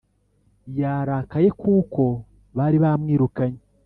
Yarakaye kuko bari bamwirukanye